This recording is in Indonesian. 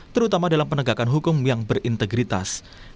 terutama dalam penegakan hukum yang berintegritas